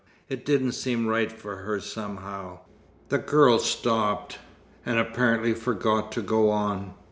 It didn't seem right for her, somehow." The girl stopped, and apparently forgot to go on.